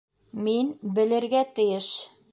М-мин белергә тейеш!